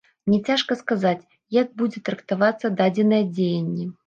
Мне цяжка сказаць, як будзе трактавацца дадзенае дзеянне.